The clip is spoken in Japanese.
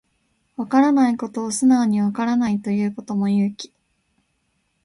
わからないことを素直にわからないと言うことも勇気